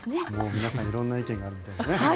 皆さん色んな意見があるみたいでね。